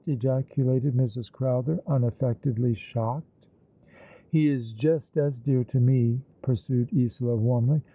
ejaculated Mrs. Crowther, unaffectedly shocked. "He is just as dear to me," pursued Isola, warmly.